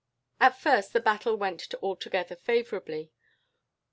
"At first the battle went altogether favourably.